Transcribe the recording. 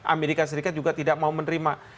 amerika serikat juga tidak mau menerima